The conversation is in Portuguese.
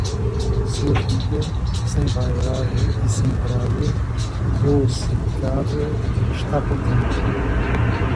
Sua filha, sem vaidade e sem prado doce de cabra, está contente.